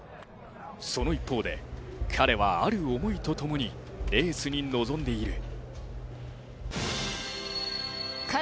その一方で彼は、ある思いと共にレースに臨んでいる。